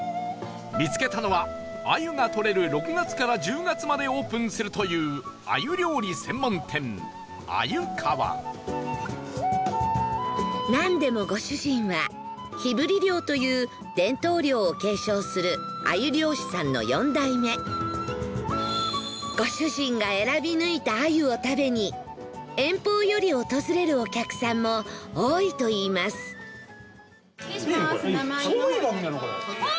見つけたのは鮎が獲れる６月から１０月までオープンするという鮎料理専門店、鮎川なんでも、ご主人は火振り漁という伝統漁を継承する鮎漁師さんの４代目ご主人が選び抜いた鮎を食べに遠方より訪れるお客さんも多いといいます岡副：うわー！